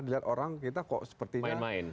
diorang kita kok sepertinya main main